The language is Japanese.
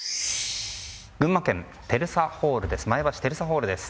前橋テルサホールです。